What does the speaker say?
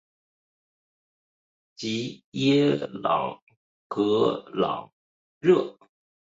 吉耶朗格朗热。